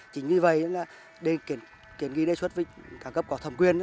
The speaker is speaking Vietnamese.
chính vì vậy nên là để kiển ghi đề xuất với cảng cấp có thầm quyền